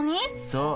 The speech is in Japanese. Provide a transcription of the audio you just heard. そう。